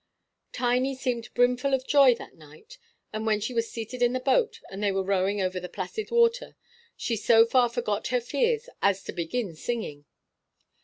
Tiny seemed brimful of joy that night; and when she was seated in the boat, and they were rowing over the placid water, she so far forgot her fears as to begin singing.